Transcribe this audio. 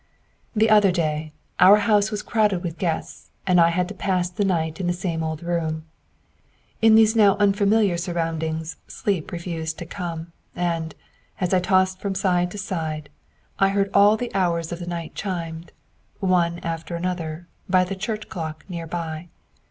The other day, our house was crowded with guests, and I had to pass the night in the same old room. In these now unfamiliar surroundings, sleep refused to come, and, as I tossed from side to side, I heard all the hours of the night chimed, one after another, by the church clock near by.